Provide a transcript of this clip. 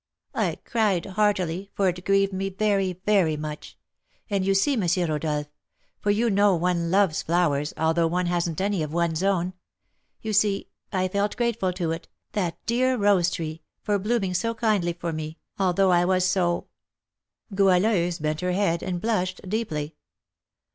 "I cried heartily, for it grieved me very, very much; and you see, M. Rodolph, for you know one loves flowers, although one hasn't any of one's own, you see, I felt grateful to it, that dear rose tree, for blooming so kindly for me, although I was so " Goualeuse bent her head, and blushed deeply.